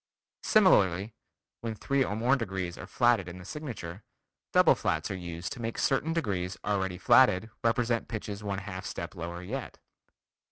Similarly, when three or more degrees are flatted in the signature, double flats are used to make certain degrees already flatted, represent pitches one half step lower yet.